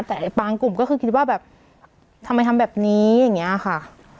แต่บางกลุ่มก็คือคิดว่าแบบทำไมทำแบบนี้อย่างนี้ค่ะ